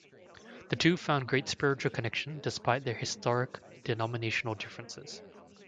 The two found great spiritual connection despite their historic denominational differences.